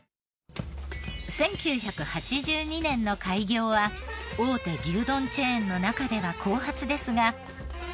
１９８２年の開業は大手牛丼チェーンの中では後発ですが。